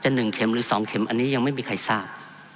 ๑เข็มหรือ๒เข็มอันนี้ยังไม่มีใครทราบ